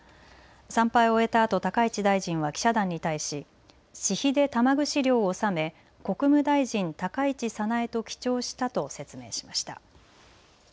参拝を終えたあと高市大臣は記者団に対し私費で玉串料を納め国務大臣高市早苗と記帳したと説明しました。